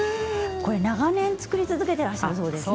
長年作り続けていらっしゃるそうですね。